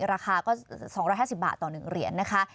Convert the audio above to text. ราคาก็๒๕๐บาทต่อ๑เหรียญนะคะ